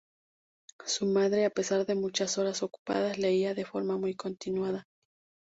Su madre "a pesar de muchas horas ocupadas, leía de forma muy continuada.